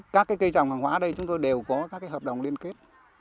các cây trồng hàng hóa ở đây chúng tôi đều có các hợp đồng liên kết